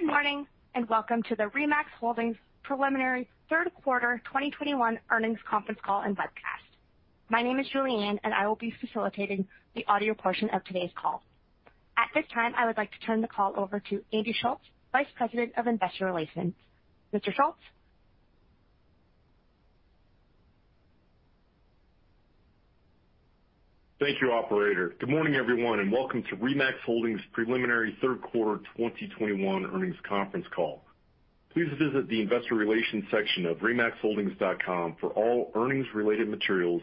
Good morning, and welcome to the RE/MAX Holdings Preliminary Third Quarter 2021 Earnings Conference Call and webcast. My name is Julianne, and I will be facilitating the audio portion of today's call. At this time, I would like to turn the call over to Andy Schulz, Vice President of Investor Relations. Mr. Schulz? Thank you, operator. Good morning, everyone, and welcome to RE/MAX Holdings' Preliminary Third Quarter 2021 Earnings Conference Call. Please visit the Investor Relations section of remaxholdings.com for all earnings-related materials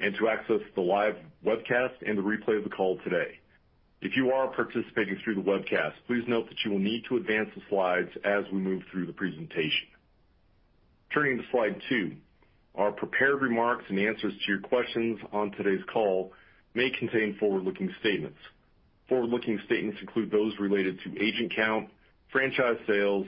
and to access the live webcast and the replay of the call today. If you are participating through the webcast, please note that you will need to advance the slides as we move through the presentation. Turning to slide two. Our prepared remarks and answers to your questions on today's call may contain forward-looking statements. Forward-looking statements include those related to agent count, franchise sales,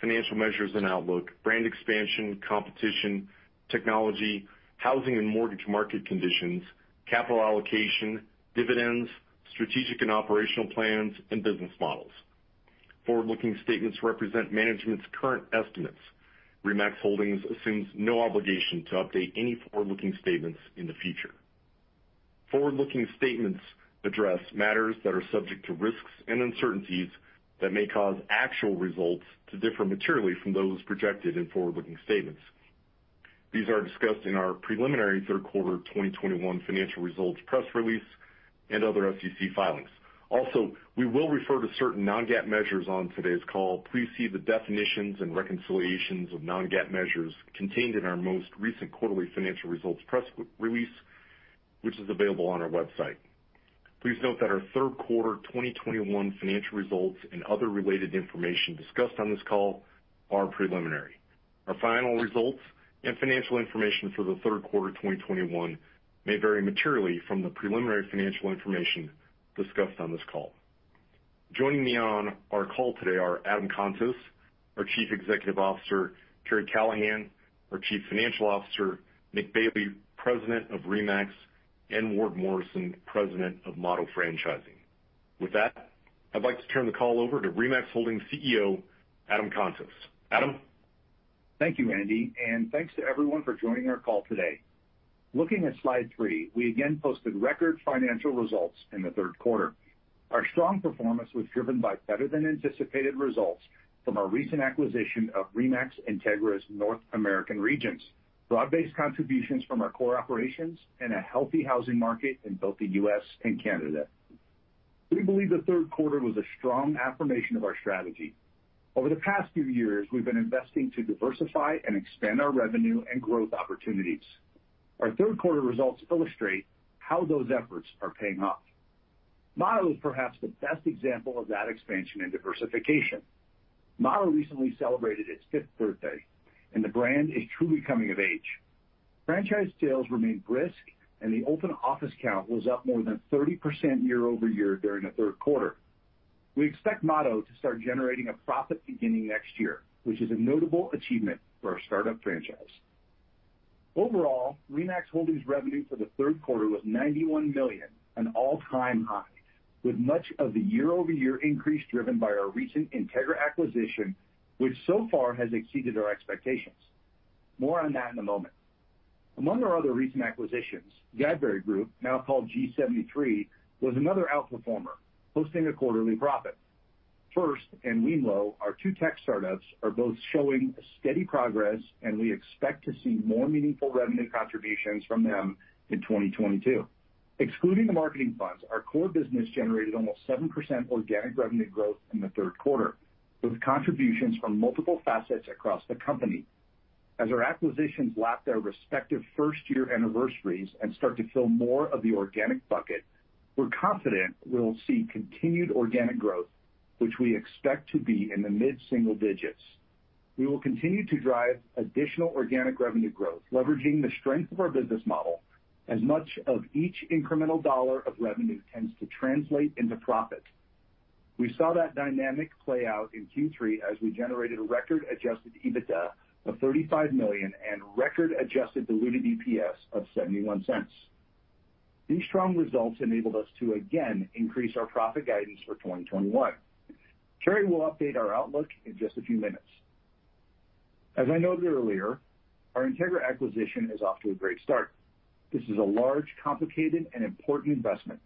financial measures and outlook, brand expansion, competition, technology, housing and mortgage market conditions, capital allocation, dividends, strategic and operational plans, and business models. Forward-looking statements represent management's current estimates. RE/MAX Holdings assumes no obligation to update any forward-looking statements in the future. Forward-looking statements address matters that are subject to risks and uncertainties that may cause actual results to differ materially from those projected in forward-looking statements. These are discussed in our preliminary third quarter 2021 financial results press release and other SEC filings. Also, we will refer to certain non-GAAP measures on today's call. Please see the definitions and reconciliations of non-GAAP measures contained in our most recent quarterly financial results press release, which is available on our website. Please note that our third quarter 2021 financial results and other related information discussed on this call are preliminary. Our final results and financial information for the third quarter 2021 may vary materially from the preliminary financial information discussed on this call. Joining me on our call today are Adam Contos, our Chief Executive Officer, Karri Callahan, our Chief Financial Officer, Nick Bailey, President of RE/MAX, and Ward Morrison, President of Motto Franchising. With that, I'd like to turn the call over to RE/MAX Holdings CEO, Adam Contos. Adam? Thank you, Andy, and thanks to everyone for joining our call today. Looking at slide three, we again posted record financial results in the third quarter. Our strong performance was driven by better than anticipated results from our recent acquisition of RE/MAX INTEGRA's North American regions, broad-based contributions from our core operations, and a healthy housing market in both the U.S. and Canada. We believe the third quarter was a strong affirmation of our strategy. Over the past few years, we've been investing to diversify and expand our revenue and growth opportunities. Our third quarter results illustrate how those efforts are paying off. Motto is perhaps the best example of that expansion and diversification. Motto recently celebrated its fifth birthday, and the brand is truly coming of age. Franchise sales remained brisk, and the open office count was up more than 30% year-over-year during the third quarter. We expect Motto to start generating a profit beginning next year, which is a notable achievement for our startup franchise. Overall, RE/MAX Holdings revenue for the third quarter was $91 million, an all-time high, with much of the year-over-year increase driven by our recent INTEGRA acquisition, which so far has exceeded our expectations. More on that in a moment. Among our other recent acquisitions, Gadberry Group, now called G73 Data Solutions, was another outperformer, posting a quarterly profit. First and wemlo, our two tech startups, are both showing steady progress, and we expect to see more meaningful revenue contributions from them in 2022. Excluding the marketing funds, our core business generated almost 7% organic revenue growth in the third quarter, with contributions from multiple facets across the company. As our acquisitions lap their respective first-year anniversaries and start to fill more of the organic bucket, we're confident we'll see continued organic growth, which we expect to be in the mid-single digits. We will continue to drive additional organic revenue growth, leveraging the strength of our business model as much of each incremental dollar of revenue tends to translate into profit. We saw that dynamic play out in Q3 as we generated a record Adjusted EBITDA of $35 million and record Adjusted Diluted EPS of $0.71. These strong results enabled us to again increase our profit guidance for 2021. Karri will update our outlook in just a few minutes. As I noted earlier, our INTEGRA acquisition is off to a great start. This is a large, complicated, and important investment.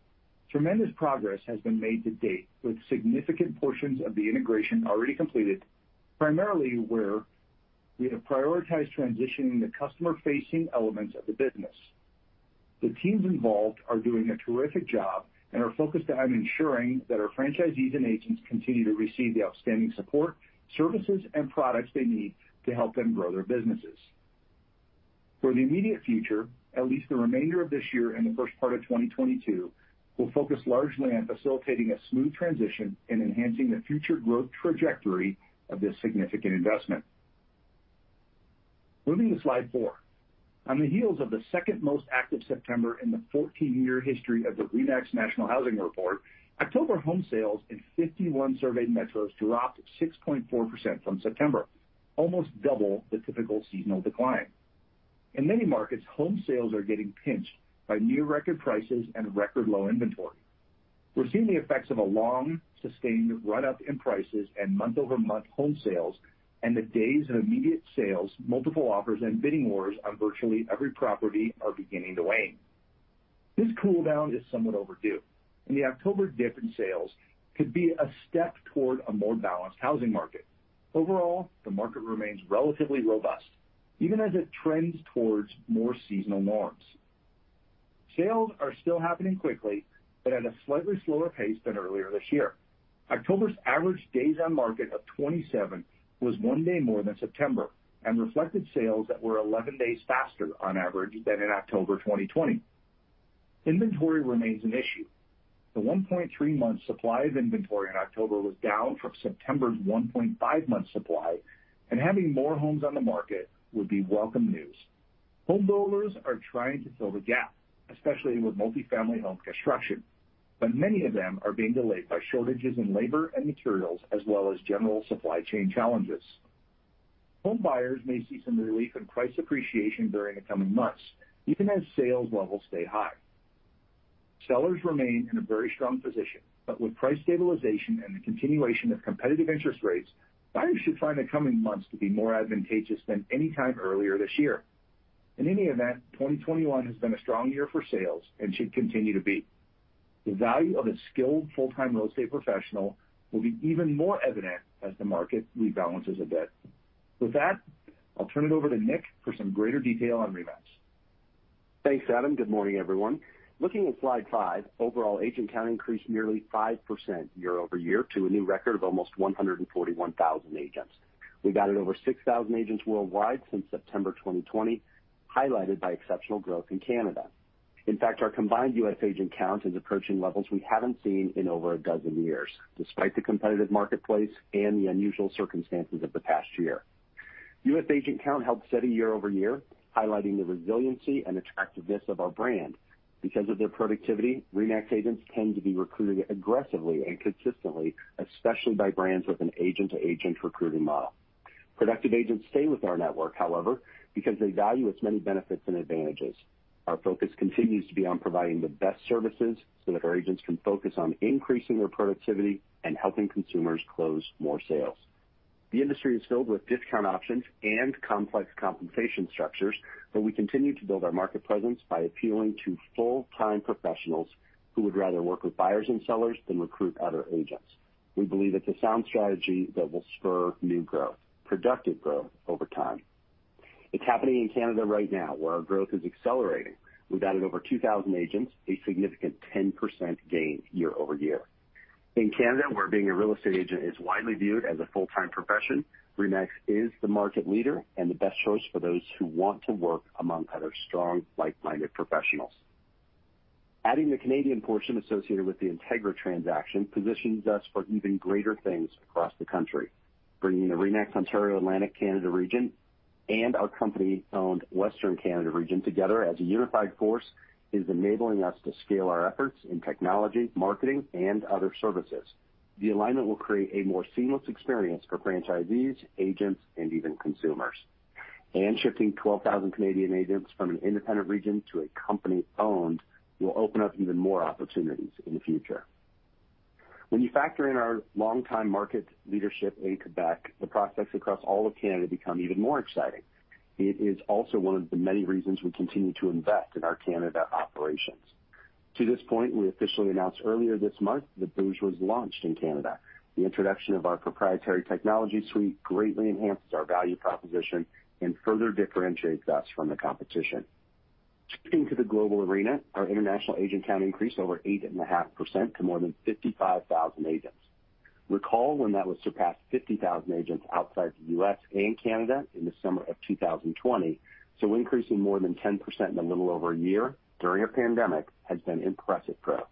Tremendous progress has been made to date, with significant portions of the integration already completed, primarily where we have prioritized transitioning the customer-facing elements of the business. The teams involved are doing a terrific job and are focused on ensuring that our franchisees and agents continue to receive the outstanding support, services, and products they need to help them grow their businesses. For the immediate future, at least the remainder of this year and the first part of 2022, we'll focus largely on facilitating a smooth transition and enhancing the future growth trajectory of this significant investment. Moving to slide four. On the heels of the second most active September in the 14-year history of the RE/MAX National Housing Report, October home sales in 51 surveyed metros dropped 6.4% from September, almost double the typical seasonal decline. In many markets, home sales are getting pinched by new record prices and record low inventory. We're seeing the effects of a long, sustained run up in prices and month-over-month home sales and the days of immediate sales, multiple offers, and bidding wars on virtually every property are beginning to wane. This cool down is somewhat overdue, and the October dip in sales could be a step toward a more balanced housing market. Overall, the market remains relatively robust, even as it trends towards more seasonal norms. Sales are still happening quickly, but at a slightly slower pace than earlier this year. October's average days on market of 27 was one day more than September and reflected sales that were 11 days faster on average than in October 2020. Inventory remains an issue. The 1.3 months supply of inventory in October was down from September's 1.5 months supply, and having more homes on the market would be welcome news. Home builders are trying to fill the gap, especially with multi-family home construction, but many of them are being delayed by shortages in labor and materials as well as general supply chain challenges. Home buyers may see some relief in price appreciation during the coming months, even as sales levels stay high. Sellers remain in a very strong position, but with price stabilization and the continuation of competitive interest rates, buyers should find the coming months to be more advantageous than any time earlier this year. In any event, 2021 has been a strong year for sales and should continue to be. The value of a skilled full-time real estate professional will be even more evident as the market rebalances a bit. With that, I'll turn it over to Nick for some greater detail on RE/MAX. Thanks, Adam. Good morning, everyone. Looking at slide five, overall agent count increased nearly 5% year-over-year to a new record of almost 141,000 agents. We've added over 6,000 agents worldwide since September 2020, highlighted by exceptional growth in Canada. In fact, our combined U.S. agent count is approaching levels we haven't seen in over a dozen years, despite the competitive marketplace and the unusual circumstances of the past year. U.S. agent count held steady year-over-year, highlighting the resiliency and attractiveness of our brand. Because of their productivity, RE/MAX agents tend to be recruited aggressively and consistently, especially by brands with an agent-to-agent recruiting model. Productive agents stay with our network, however, because they value its many benefits and advantages. Our focus continues to be on providing the best services so that our agents can focus on increasing their productivity and helping consumers close more sales. The industry is filled with discount options and complex compensation structures, but we continue to build our market presence by appealing to full-time professionals who would rather work with buyers and sellers than recruit other agents. We believe it's a sound strategy that will spur new growth, productive growth over time. It's happening in Canada right now, where our growth is accelerating. We've added over 2,000 agents, a significant 10% gain year-over-year. In Canada, where being a real estate agent is widely viewed as a full-time profession, RE/MAX is the market leader and the best choice for those who want to work among other strong, like-minded professionals. Adding the Canadian portion associated with the INTEGRA transaction positions us for even greater things across the country. Bringing the RE/MAX Ontario-Atlantic Canada region and our company-owned Western Canada region together as a unified force is enabling us to scale our efforts in technology, marketing, and other services. The alignment will create a more seamless experience for franchisees, agents, and even consumers. Shifting 12,000 Canadian agents from an independent region to a company-owned will open up even more opportunities in the future. When you factor in our longtime market leadership in Quebec, the prospects across all of Canada become even more exciting. It is also one of the many reasons we continue to invest in our Canada operations. To this point, we officially announced earlier this month that Boost was launched in Canada. The introduction of our proprietary technology suite greatly enhances our value proposition and further differentiates us from the competition. Shifting to the global arena, our international agent count increased over 8.5% to more than 55,000 agents. Recall when that was surpassed 50,000 agents outside the U.S. and Canada in the summer of 2020. Increasing more than 10% in a little over a year during a pandemic has been impressive growth.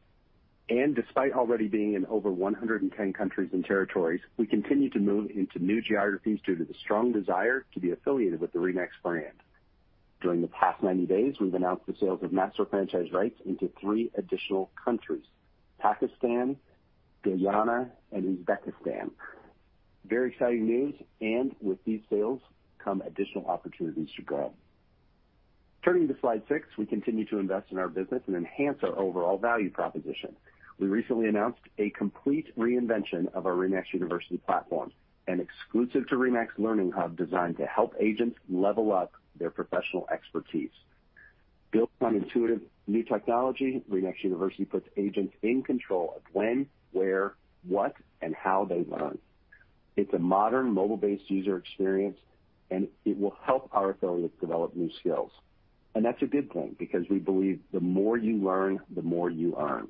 Despite already being in over 110 countries and territories, we continue to move into new geographies due to the strong desire to be affiliated with the RE/MAX brand. During the past 90 days, we've announced the sales of master franchise rights into three additional countries, Pakistan, Guyana, and Uzbekistan. Very exciting news, and with these sales come additional opportunities to grow. Turning to slide six, we continue to invest in our business and enhance our overall value proposition. We recently announced a complete reinvention of our RE/MAX University platform, an exclusive to RE/MAX learning hub designed to help agents level up their professional expertise. Built on intuitive new technology, RE/MAX University puts agents in control of when, where, what, and how they learn. It's a modern, mobile-based user experience, and it will help our affiliates develop new skills. That's a good thing, because we believe the more you learn, the more you earn.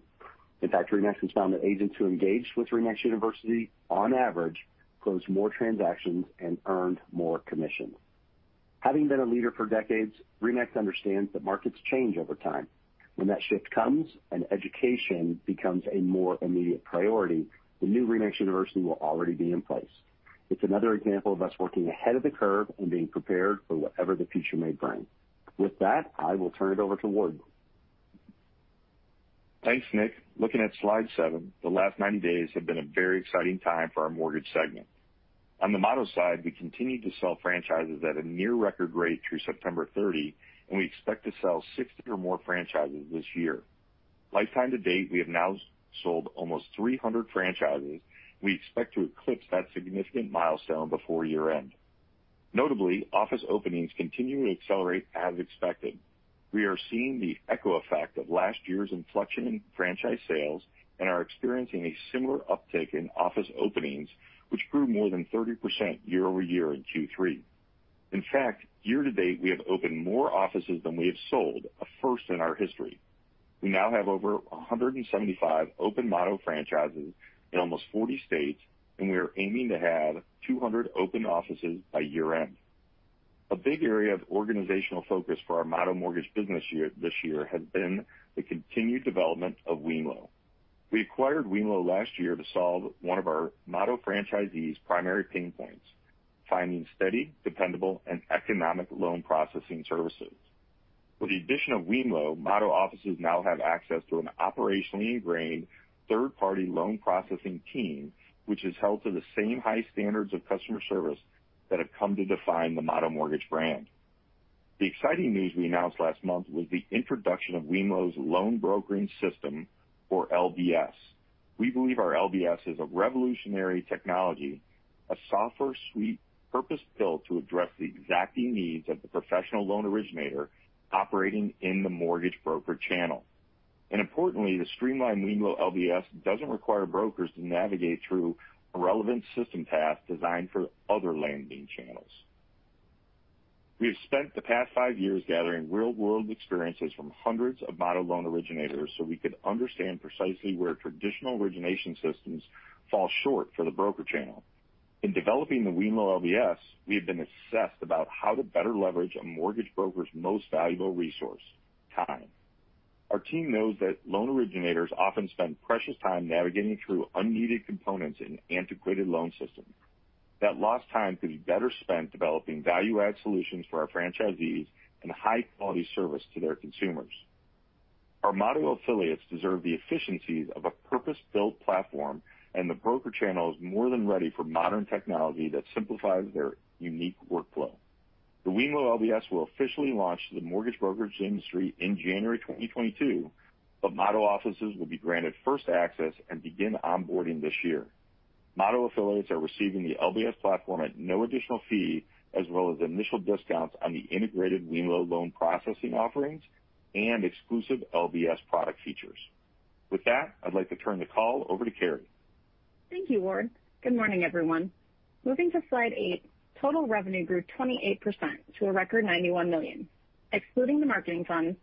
In fact, RE/MAX has found that agents who engaged with RE/MAX University, on average, closed more transactions and earned more commissions. Having been a leader for decades, RE/MAX understands that markets change over time. When that shift comes and education becomes a more immediate priority, the new RE/MAX University will already be in place. It's another example of us working ahead of the curve and being prepared for whatever the future may bring. With that, I will turn it over to Ward. Thanks, Nick. Looking at slide seven, the last 90 days have been a very exciting time for our mortgage segment. On the Motto side, we continued to sell franchises at a near record rate through September 30, and we expect to sell 60 or more franchises this year. Lifetime-to-date, we have now sold almost 300 franchises. We expect to eclipse that significant milestone before year-end. Notably, office openings continue to accelerate as expected. We are seeing the echo effect of last year's inflection in franchise sales and are experiencing a similar uptick in office openings, which grew more than 30% year-over-year in Q3. In fact, year to date, we have opened more offices than we have sold, a first in our history. We now have over 175 open Motto franchises in almost 40 states, and we are aiming to have 200 open offices by year-end. A big area of organizational focus for our Motto Mortgage business this year has been the continued development of wemlo. We acquired wemlo last year to solve one of our Motto franchisees' primary pain points, finding steady, dependable, and economic loan processing services. With the addition of wemlo, Motto offices now have access to an operationally ingrained third-party loan processing team, which is held to the same high standards of customer service that have come to define the Motto Mortgage brand. The exciting news we announced last month was the introduction of wemlo's Loan Brokering System or LBS. We believe our LBS is a revolutionary technology, a software suite purpose-built to address the exacting needs of the professional loan originator operating in the mortgage broker channel. Importantly, the streamlined wemlo LBS doesn't require brokers to navigate through irrelevant system paths designed for other lending channels. We have spent the past five years gathering real-world experiences from hundreds of Motto loan originators, so we could understand precisely where traditional origination systems fall short for the broker channel. In developing the wemlo LBS, we have been obsessed about how to better leverage a mortgage broker's most valuable resource: time. Our team knows that loan originators often spend precious time navigating through unneeded components in antiquated loan systems. That lost time could be better spent developing value-add solutions for our franchisees and high-quality service to their consumers. Our Motto affiliates deserve the efficiencies of a purpose-built platform, and the broker channel is more than ready for modern technology that simplifies their unique workflow. The wemlo LBS will officially launch to the mortgage brokerage industry in January 2022, but Motto offices will be granted first access and begin onboarding this year. Motto affiliates are receiving the LBS platform at no additional fee, as well as initial discounts on the integrated wemlo loan processing offerings and exclusive LBS product features. With that, I'd like to turn the call over to Karri. Thank you, Ward. Good morning, everyone. Moving to slide eight, total revenue grew 28% to a record $91 million. Excluding the marketing funds,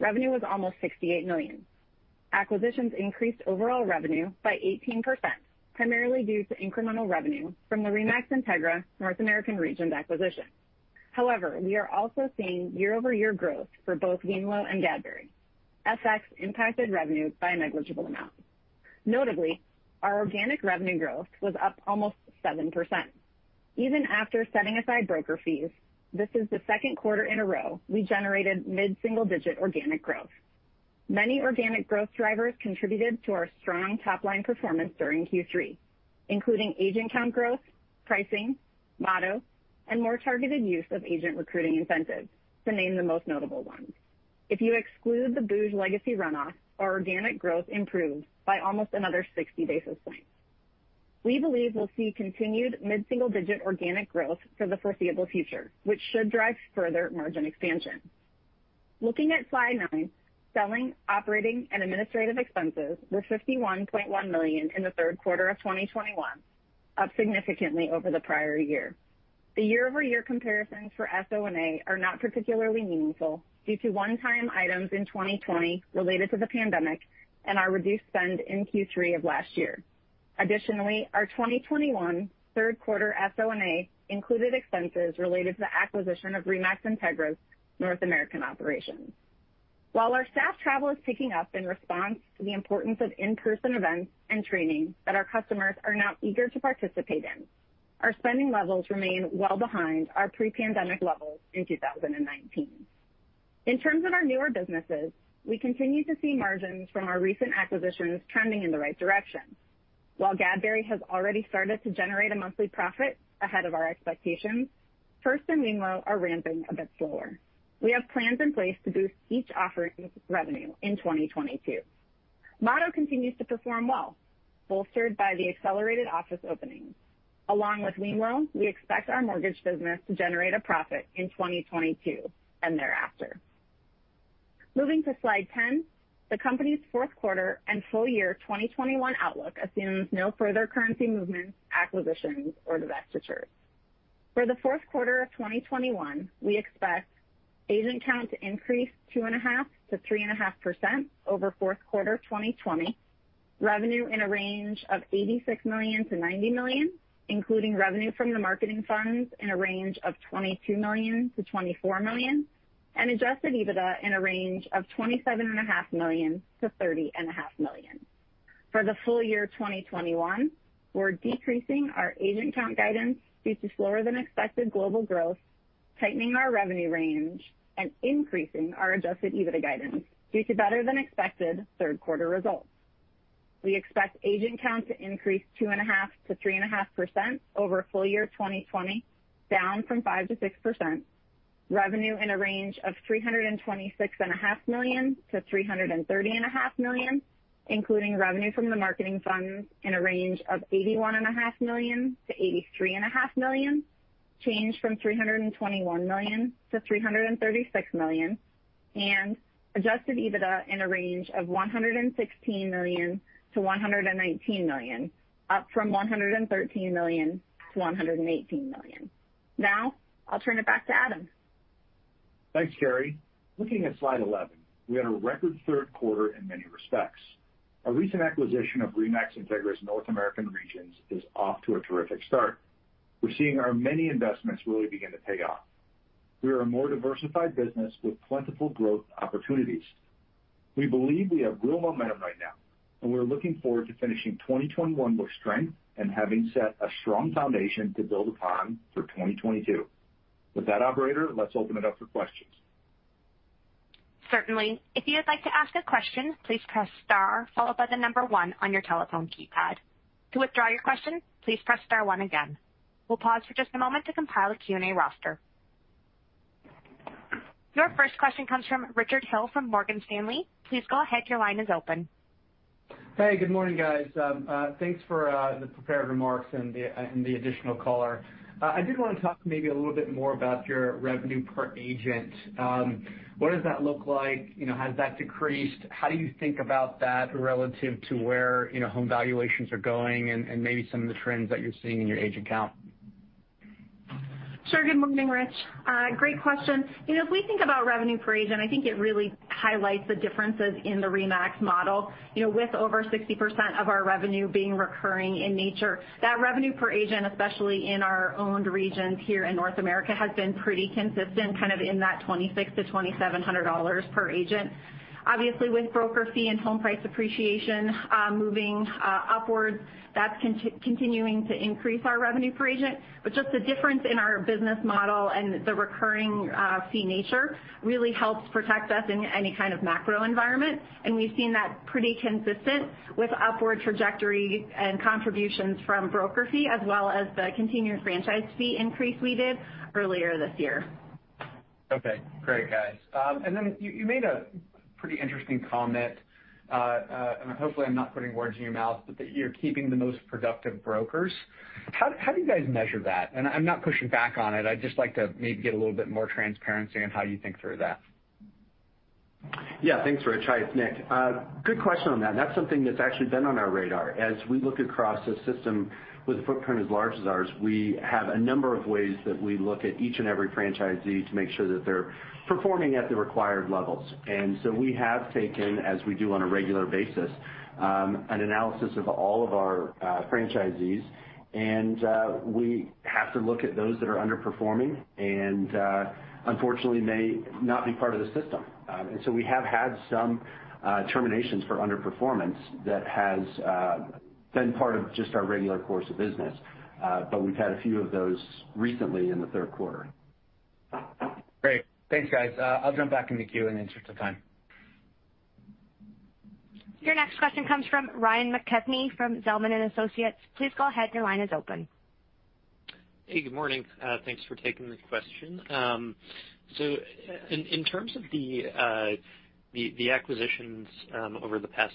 revenue was almost $68 million. Acquisitions increased overall revenue by 18%, primarily due to incremental revenue from the RE/MAX INTEGRA North American region's acquisition. However, we are also seeing year-over-year growth for both wemlo and Gadberry. FX impacted revenue by a negligible amount. Notably, our organic revenue growth was up almost 7%. Even after setting aside broker fees, this is the second quarter in a row we generated mid-single-digit organic growth. Many organic growth drivers contributed to our strong top-line performance during Q3, including agent count growth, pricing, Motto, and more targeted use of agent recruiting incentives to name the most notable ones. If you exclude the booj legacy runoff, our organic growth improved by almost another 60 basis points. We believe we'll see continued mid-single-digit organic growth for the foreseeable future, which should drive further margin expansion. Looking at slide nine, selling, operating, and administrative expenses were $51.1 million in the third quarter of 2021, up significantly over the prior year. The year-over-year comparisons for SO&A are not particularly meaningful due to one-time items in 2020 related to the pandemic and our reduced spend in Q3 of last year. Additionally, our 2021 third quarter SO&A included expenses related to the acquisition of RE/MAX INTEGRA's North American operations. While our staff travel is picking up in response to the importance of in-person events and training that our customers are now eager to participate in, our spending levels remain well behind our pre-pandemic levels in 2019. In terms of our newer businesses, we continue to see margins from our recent acquisitions trending in the right direction. While Gadberry has already started to generate a monthly profit ahead of our expectations, First and wemlo are ramping a bit slower. We have plans in place to boost each offering's revenue in 2022. Motto continues to perform well, bolstered by the accelerated office openings. Along with wemlo, we expect our mortgage business to generate a profit in 2022 and thereafter. Moving to slide 10, the company's fourth quarter and full year 2021 outlook assumes no further currency movements, acquisitions, or divestitures. For the fourth quarter of 2021, we expect agent count to increase 2.5%-3.5% over fourth quarter 2020, revenue in a range of $86 million-$90 million, including revenue from the marketing funds in a range of $22 million-$24 million, and Adjusted EBITDA in a range of $27.5 million-$30.5 million. For the full year 2021, we're decreasing our agent count guidance due to slower than expected global growth, tightening our revenue range, and increasing our Adjusted EBITDA guidance due to better than expected third quarter results. We expect agent count to increase 2.5%-3.5% over full year 2020, down from 5%-6%. Revenue in a range of $326.5 million-$330.5 million, including revenue from the marketing fund in a range of $81.5 million-$83.5 million, changed from $321 million-$336 million. Adjusted EBITDA in a range of $116 million-$119 million, up from $113 million-$118 million. Now I'll turn it back to Adam. Thanks, Karri. Looking at slide 11, we had a record third quarter in many respects. Our recent acquisition of RE/MAX INTEGRA North American regions is off to a terrific start. We're seeing our many investments really begin to pay off. We are a more diversified business with plentiful growth opportunities. We believe we have real momentum right now, and we're looking forward to finishing 2021 with strength and having set a strong foundation to build upon for 2022. With that, operator, let's open it up for questions. Certainly. If you'd like to ask a question, please press star followed by the number one on your telephone keypad. To withdraw your question, please press star one again. We'll pause for just a moment to compile a Q&A roster. Your first question comes from Richard Hill from Morgan Stanley. Please go ahead, your line is open. Hey, good morning, guys. Thanks for the prepared remarks and the additional color. I did wanna talk maybe a little bit more about your revenue per agent. What does that look like? You know, has that decreased? How do you think about that relative to where, you know, home valuations are going and maybe some of the trends that you're seeing in your agent count? Sure. Good morning, Rich. Great question. You know, if we think about revenue per agent, I think it really highlights the differences in the RE/MAX model. You know, with over 60% of our revenue being recurring in nature, that revenue per agent, especially in our owned regions here in North America, has been pretty consistent, kind of in that $2,600-$2,700 per agent. Obviously, with broker fee and home price appreciation, moving upwards, that's continuing to increase our revenue per agent. But just the difference in our business model and the recurring fee nature really helps protect us in any kind of macro environment. We've seen that pretty consistent with upward trajectory and contributions from broker fee as well as the continued franchise fee increase we did earlier this year. Okay. Great, guys. You made a pretty interesting comment, hopefully I'm not putting words in your mouth, but that you're keeping the most productive brokers. How do you guys measure that? I'm not pushing back on it, I'd just like to maybe get a little bit more transparency on how you think through that. Yeah. Thanks, Rich. Hi, it's Nick. Good question on that. That's something that's actually been on our radar. As we look across a system with a footprint as large as ours, we have a number of ways that we look at each and every franchisee to make sure that they're performing at the required levels. We have taken, as we do on a regular basis, an analysis of all of our franchisees, and we have to look at those that are underperforming and unfortunately may not be part of the system. We have had some terminations for underperformance that has been part of just our regular course of business, but we've had a few of those recently in the third quarter. Great. Thanks, guys. I'll jump back in the queue and at this time. Your next question comes from Ryan McKeveny from Zelman & Associates. Please go ahead, your line is open. Hey, good morning. Thanks for taking the question. In terms of the acquisitions over the past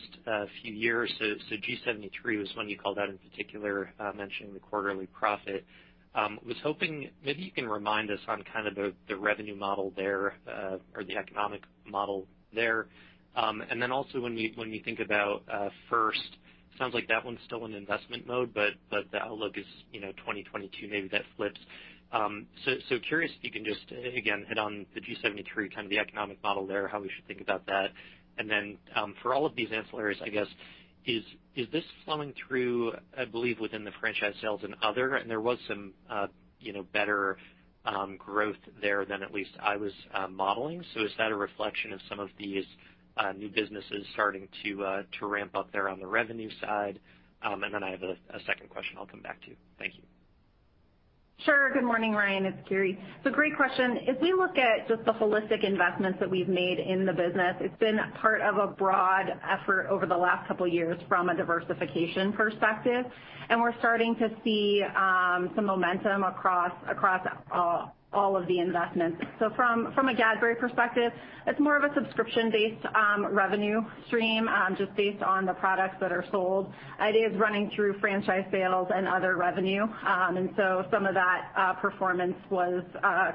few years, G73 Data Solutions was one you called out in particular, mentioning the quarterly profit. I was hoping maybe you can remind us on kind of the revenue model there or the economic model there. Also, when we think about First, sounds like that one's still in investment mode, but the outlook is, you know, 2022 maybe that flips. Curious if you can just again hit on the G73 Data Solutions, kind of the economic model there, how we should think about that. For all of these ancillaries, I guess, is this flowing through, I believe, within the franchise sales and other? There was some, you know, better growth there than at least I was modeling. Is that a reflection of some of these new businesses starting to ramp up there on the revenue side? I have a second question I'll come back to. Thank you. Sure. Good morning, Ryan. It's Karri. It's a great question. If we look at just the holistic investments that we've made in the business, it's been part of a broad effort over the last couple years from a diversification perspective, and we're starting to see some momentum across all of the investments. From a Gadberry perspective, it's more of a subscription-based revenue stream just based on the products that are sold. It is running through franchise sales and other revenue. Some of that performance was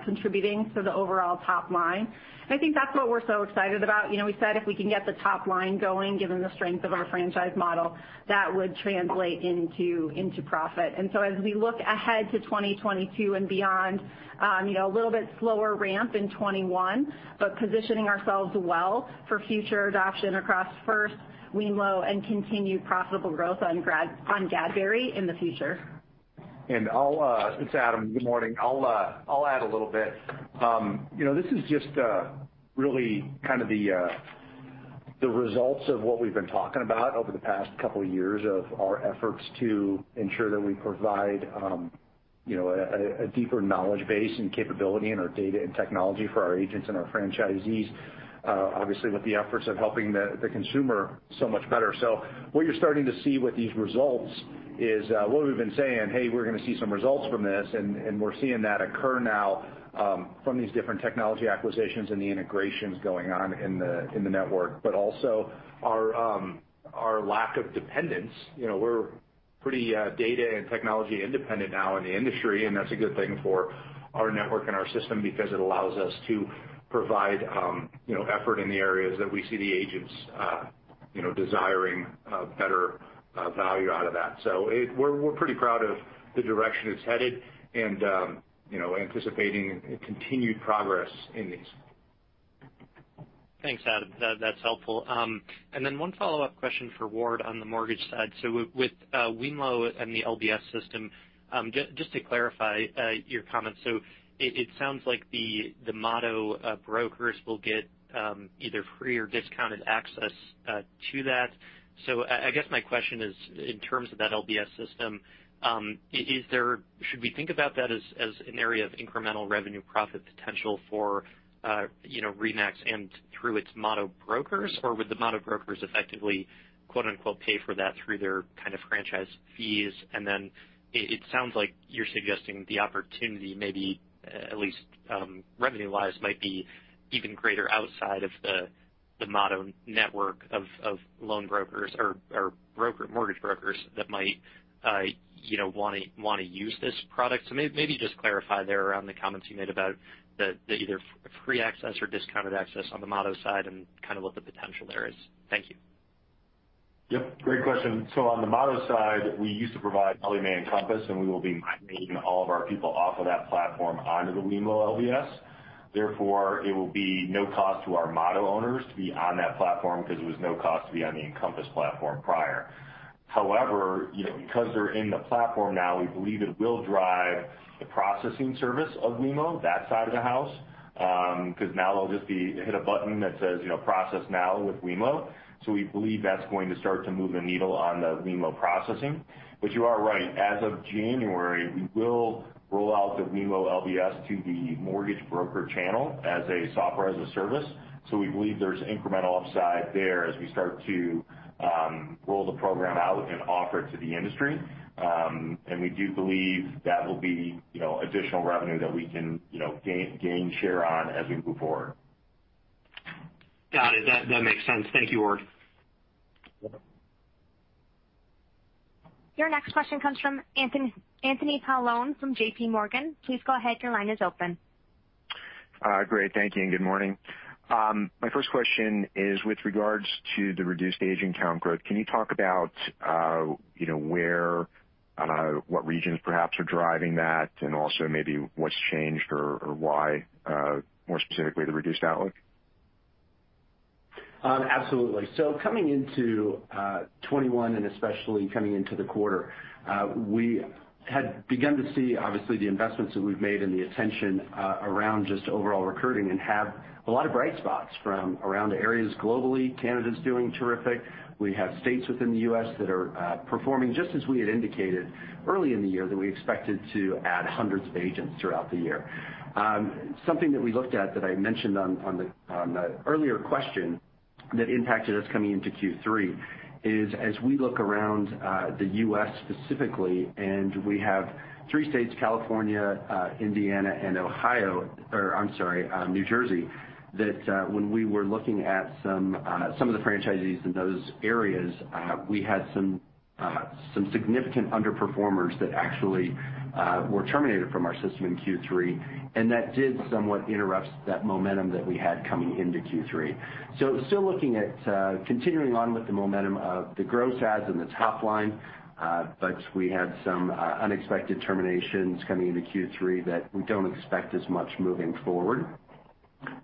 contributing to the overall top line. I think that's what we're so excited about. You know, we said if we can get the top line going, given the strength of our franchise model, that would translate into profit. As we look ahead to 2022 and beyond, you know, a little bit slower ramp in 2021, but positioning ourselves well for future adoption across First, wemlo and continued profitable growth on Gadberry in the future. It's Adam. Good morning. I'll add a little bit. You know, this is just really kind of the results of what we've been talking about over the past couple of years of our efforts to ensure that we provide you know, a deeper knowledge base and capability in our data and technology for our agents and our franchisees, obviously, with the efforts of helping the consumer so much better. What you're starting to see with these results is what we've been saying, "Hey, we're gonna see some results from this," and we're seeing that occur now from these different technology acquisitions and the integrations going on in the network. Also, our lack of dependence. You know, we're pretty data and technology independent now in the industry, and that's a good thing for our network and our system because it allows us to provide you know, effort in the areas that we see the agents you know, desiring better value out of that. We're pretty proud of the direction it's headed and you know, anticipating continued progress in these. Thanks, Adam. That's helpful. One follow-up question for Ward on the mortgage side. With wemlo and the LBS system, just to clarify, your comments. It sounds like the Motto brokers will get either free or discounted access to that. I guess my question is, in terms of that LBS system, should we think about that as an area of incremental revenue profit potential for, you know, RE/MAX and through its Motto brokers? Would the Motto brokers effectively, quote-unquote, "pay for that" through their kind of franchise fees? It sounds like you're suggesting the opportunity may be, at least, revenue-wise, might be even greater outside of the Motto network of loan brokers or mortgage brokers that might, you know, wanna use this product. Maybe just clarify there around the comments you made about the either free access or discounted access on the Motto side and kind of what the potential there is. Thank you. Yep, great question. On the Motto side, we used to provide Ellie Mae and Encompass, and we will be migrating all of our people off of that platform onto the wemlo LBS. Therefore, it will be no cost to our Motto owners to be on that platform because it was no cost to be on the Encompass platform prior. However, you know, because they're in the platform now, we believe it will drive the processing service of wemlo, that side of the house, 'cause now they'll just hit a button that says, you know, process now with wemlo. We believe that's going to start to move the needle on the wemlo processing. You are right. As of January, we will roll out the wemlo LBS to the mortgage broker channel as a SaaS. We believe there's incremental upside there as we start to roll the program out and offer it to the industry. We do believe that will be, you know, additional revenue that we can, you know, gain share on as we move forward. Got it. That makes sense. Thank you, Ward. Your next question comes from Anthony Paolone from J.P. Morgan. Please go ahead, your line is open. Great, thank you, and good morning. My first question is with regards to the reduced agent count growth. Can you talk about, you know, where what regions perhaps are driving that and also maybe what's changed or why, more specifically the reduced outlook? Absolutely. Coming into 2021, and especially coming into the quarter, we had begun to see obviously the investments that we've made and the attention around just overall recruiting and have a lot of bright spots from around the areas globally. Canada's doing terrific. We have states within the U.S. that are performing just as we had indicated early in the year that we expected to add hundreds of agents throughout the year. Something that we looked at that I mentioned on the earlier question that impacted us coming into Q3 is as we look around the U.S. specifically, and we have three states, California, Indiana, and Ohio, or I'm sorry, New Jersey, that when we were looking at some of the franchisees in those areas, we had some significant underperformers that actually were terminated from our system in Q3, and that did somewhat interrupt that momentum that we had coming into Q3. Still looking at continuing on with the momentum of the gross adds and the top line, but we had some unexpected terminations coming into Q3 that we don't expect as much moving forward.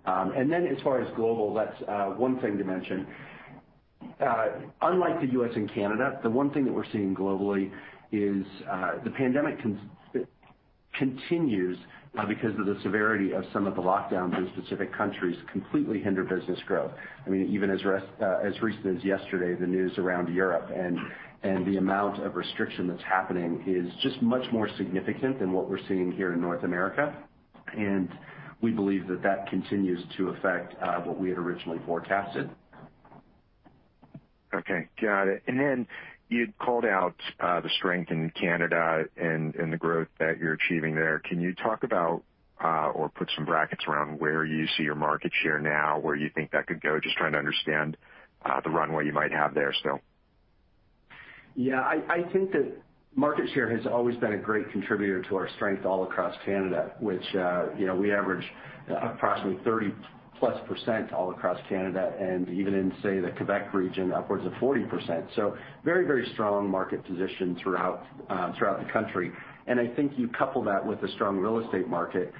And then as far as global, that's one thing to mention. Unlike the U.S. and Canada, the one thing that we're seeing globally is the pandemic continues because of the severity of some of the lockdowns in specific countries completely hinder business growth. I mean, even as recent as yesterday, the news around Europe and the amount of restriction that's happening is just much more significant than what we're seeing here in North America. We believe that that continues to affect what we had originally forecasted. Okay. Got it. You'd called out the strength in Canada and the growth that you're achieving there. Can you talk about or put some brackets around where you see your market share now, where you think that could go? Just trying to understand the runway you might have there still. Yeah. I think that market share has always been a great contributor to our strength all across Canada, which, you know, we average approximately 30-plus % all across Canada, and even in, say, the Quebec region, upwards of 40%. Very, very strong market position throughout the country. I think you couple that with the strong real estate market,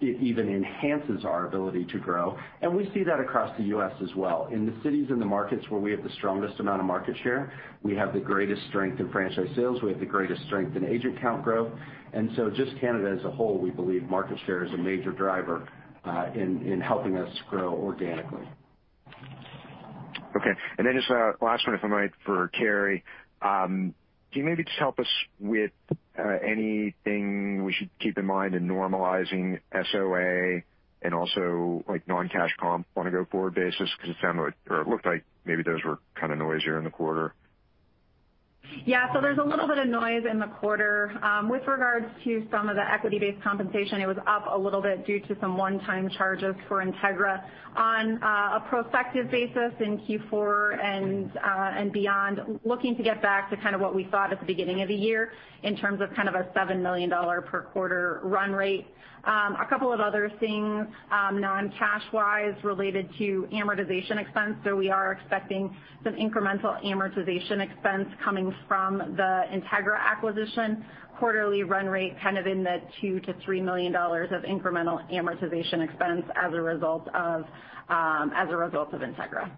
it even enhances our ability to grow, and we see that across the U.S. as well. In the cities and the markets where we have the strongest amount of market share, we have the greatest strength in franchise sales, we have the greatest strength in agent count growth. Just Canada as a whole, we believe market share is a major driver in helping us grow organically. Okay. Then just last one, if I might, for Karri. Can you maybe just help us with anything we should keep in mind in normalizing SO&A and also like non-cash comp on a go-forward basis? Because it sounded like or it looked like maybe those were kinda noisier in the quarter. There's a little bit of noise in the quarter. With regards to some of the equity-based compensation, it was up a little bit due to some one-time charges for INTEGRA. On a prospective basis in Q4 and beyond, looking to get back to kind of what we thought at the beginning of the year in terms of kind of a $7 million per quarter run rate. A couple of other things, non-cash wise related to amortization expense. We are expecting some incremental amortization expense coming from the INTEGRA acquisition. Quarterly run rate kind of in the $2 million-$3 million of incremental amortization expense as a result of INTEGRA.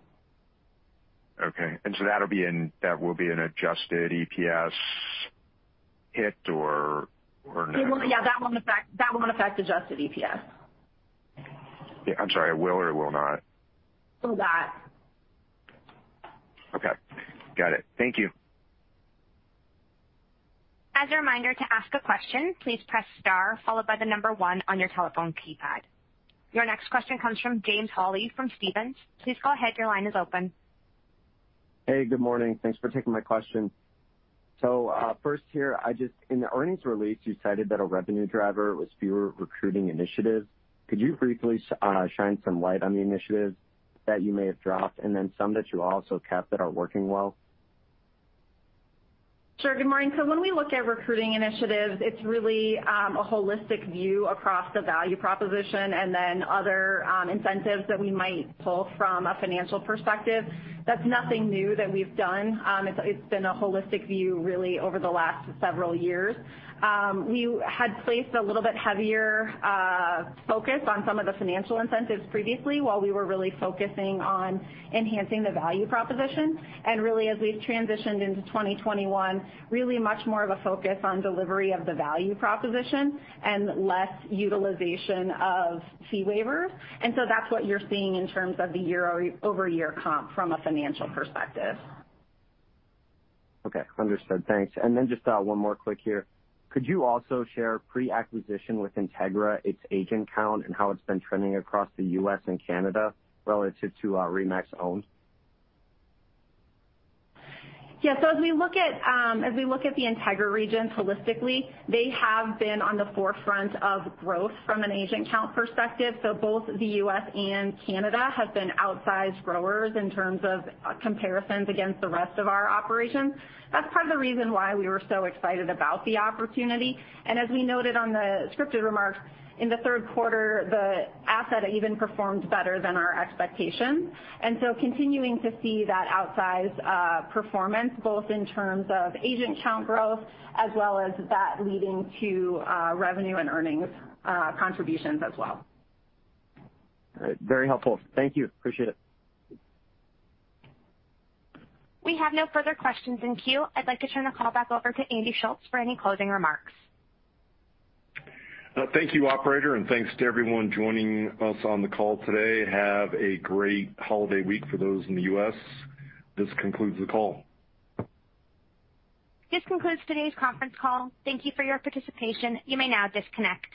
That will be an Adjusted EPS hit or not? Yeah, that won't affect Adjusted EPS. Yeah. I'm sorry, will or will not? Will not. Okay. Got it. Thank you. As a reminder, to ask a question, please press star followed by the number 1 on your telephone keypad. Your next question comes from John Campbell from Stephens. Please go ahead, your line is open. Hey, good morning. Thanks for taking my question. First here, in the earnings release, you cited that a revenue driver was fewer recruiting initiatives. Could you briefly shine some light on the initiatives that you may have dropped and then some that you also kept that are working well? Sure. Good morning. When we look at recruiting initiatives, it's really a holistic view across the value proposition and then other incentives that we might pull from a financial perspective. That's nothing new that we've done. It's been a holistic view really over the last several years. We had placed a little bit heavier focus on some of the financial incentives previously, while we were really focusing on enhancing the value proposition. Really as we've transitioned into 2021, really much more of a focus on delivery of the value proposition and less utilization of fee waivers. That's what you're seeing in terms of the year-over-year comp from a financial perspective. Just one more quick here. Could you also share pre-acquisition with INTEGRA, its agent count and how it's been trending across the U.S. and Canada relative to RE/MAX owned? Yeah. As we look at the INTEGRA region holistically, they have been on the forefront of growth from an agent count perspective. Both the U.S. and Canada have been outsized growers in terms of comparisons against the rest of our operations. That's part of the reason why we were so excited about the opportunity. As we noted on the scripted remarks in the third quarter, the asset even performed better than our expectations. Continuing to see that outsized performance, both in terms of agent count growth as well as that leading to revenue and earnings contributions as well. All right. Very helpful. Thank you. Appreciate it. We have no further questions in queue. I'd like to turn the call back over to Andy Schulz for any closing remarks. Thank you, operator, and thanks to everyone joining us on the call today. Have a great holiday week for those in the U.S. This concludes the call. This concludes today's conference call. Thank you for your participation. You may now disconnect.